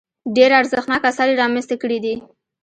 ډېر ارزښتناک اثار یې رامنځته کړي دي.